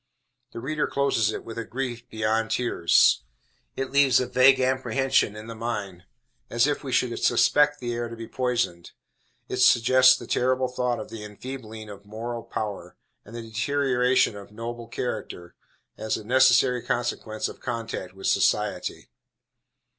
The reader closes it with a grief beyond tears. It leaves a vague apprehension in the mind, as if we should suspect the air to be poisoned. It suggests the terrible thought of the enfeebling of moral power, and the deterioration of noble character, as a necessary consequence of contact with "society."